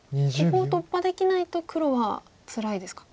ここを突破できないと黒はつらいですか。